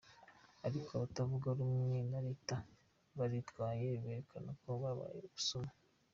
Ariko abatavuga rumwe na reta baritwaye berekana ko habaye ubusuma.